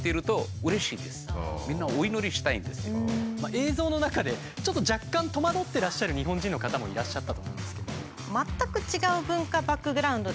映像の中でちょっと若干戸惑ってらっしゃる日本人の方もいらっしゃったと思うんですけど。